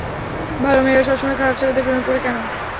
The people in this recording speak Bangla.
ভাল মেয়েরা সবসময় খারাপ ছেলেদের প্রেমে পড়ে কেন?